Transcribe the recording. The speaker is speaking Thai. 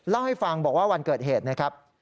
เล่าให้ฟังบอกว่าวันเกิดเหตุนะครับ